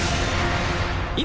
今！